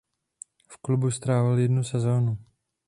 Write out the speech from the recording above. V klubu strávil jednu sezonu.